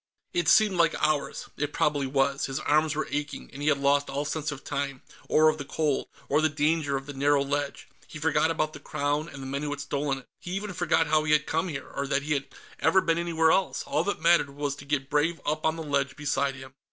It seemed like hours. It probably was; his arms were aching, and he had lost all sense of time, or of the cold, or the danger of the narrow ledge; he forgot about the Crown and the men who had stolen it; he even forgot how he had come here, or that he had ever been anywhere else. All that mattered was to get Brave up on the ledge beside him.